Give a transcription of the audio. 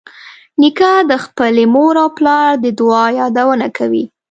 نیکه د خپلې مور او پلار د دعا یادونه کوي.